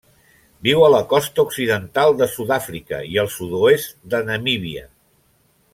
Viu a la costa occidental de Sud-àfrica i al sud-oest de Namíbia.